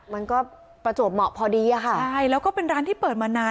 มันก็ประจวบเหมาะพอดีอะค่ะใช่แล้วก็เป็นร้านที่เปิดมานาน